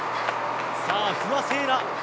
さあ、不破聖衣来